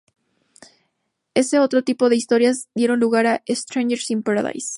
Ese otro tipo de historias, dieron lugar a "Strangers in Paradise".